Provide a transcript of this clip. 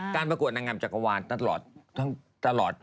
ประกวดนางงามจักรวาลตลอด